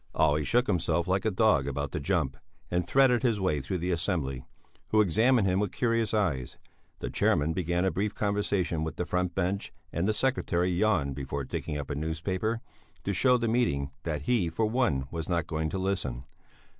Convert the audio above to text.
Olle shook himself like a dog about to jump, and threaded his way through the assembly, who examined him with curious eyes. The chairman began a brief conversation with the front bench, and the secretary yawned before taking up a newspaper, to show the meeting that he, for one, was not going to listen.